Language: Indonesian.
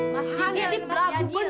mas ciky si beragam bener